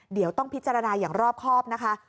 เดี๋ยวต้องพิจารณาอย่างรอบครอบนะคะ